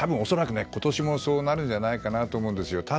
恐らく今年もそうなるんじゃないかと思うんですよ。